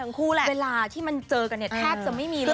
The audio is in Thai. คู่แหละเวลาที่มันเจอกันเนี่ยแทบจะไม่มีเลย